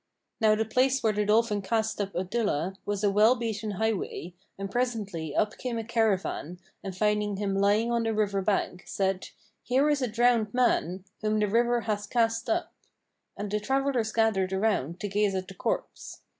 Now the place where the dolphin cast up Abdullah was a well beaten highway, and presently up came a caravan and finding him lying on the river bank, said, "Here is a drowned man, whom the river hath cast up;" and the travellers gathered around to gaze at the corpse.